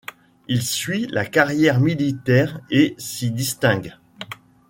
Il suit la carrière militaire et s'y distingue.